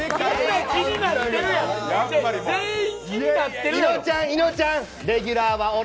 いのちゃん、いのちゃん、レギュラーは俺。